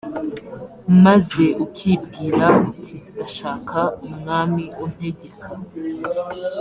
maze ukibwira uti ndashaka umwami untegeka